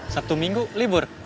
sabtu minggu libur